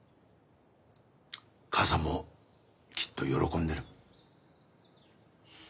母さんもきっと喜んでる。